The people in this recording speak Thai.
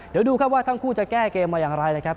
เดี๋ยวดูครับว่าทั้งคู่จะแก้เกมมาอย่างไรนะครับ